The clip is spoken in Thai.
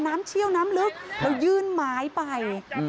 เชี่ยวน้ำลึกแล้วยื่นไม้ไป